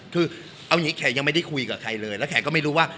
คือเอาอย่างนี้แขกยังไม่ได้คุยกับใครเลยแล้วแขกก็ไม่รู้ว่า